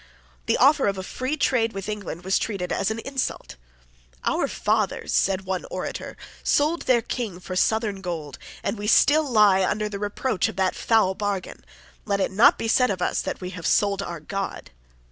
The offer of a free trade with England was treated as an insult. "Our fathers," said one orator, "sold their King for southern gold; and we still lie under the reproach of that foul bargain. Let it not be said of us that we have sold our God!"